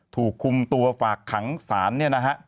ถูกคุมตัวฝากขังศาลเนี่ยนะฮะ